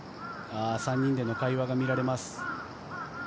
３人での会話が見られます。